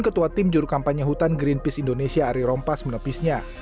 ketua tim juru kampanye hutan greenpeace indonesia ari rompas menepisnya